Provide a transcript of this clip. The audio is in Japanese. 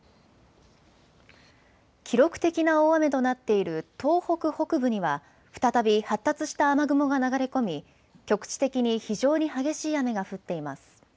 記録的な大雨となっている東北北部には再び発達した雨雲が流れ込み局地的に非常に激しい雨が降っています。